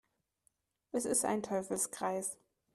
Es ist ein Teufelskreis.